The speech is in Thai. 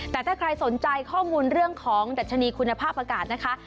แต่ถ้าใครสนใจข้อมูลเรื่องของดัชนีคุณภาพอากาศนะคะ